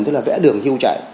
tức là vẽ đường hưu chạy